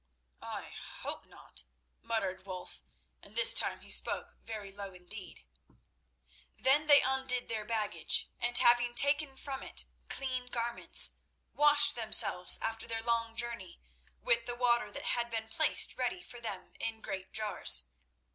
"I hope not," muttered Wulf, and this time he spoke very low indeed. Then they undid their baggage, and having taken from it clean garments, washed themselves after their long journey with the water that had been placed ready for them in great jars.